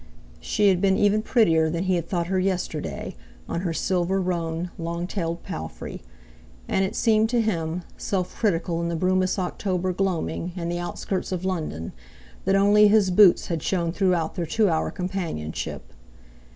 She had been even prettier than he had thought her yesterday, on her silver roan, long tailed "palfrey". and it seemed to him, self critical in the brumous October gloaming and the outskirts of London, that only his boots had shone throughout their two hour companionship.